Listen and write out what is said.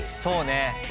そうね。